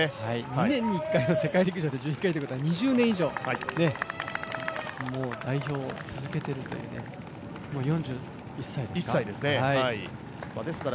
２年に１回の世界陸上で１１回ということは、２０年以上もう代表、続けているというもう、４１歳ですか。